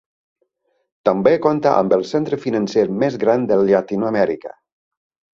També compta amb el centre financer més gran de Llatinoamèrica.